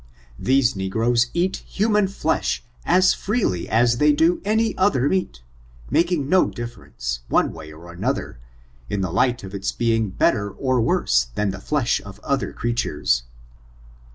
These negroes eat human flesh as freely as they do any ether meat, making no difference, one way or an* other, in the light of its being better or worse than the flesh of other creatures.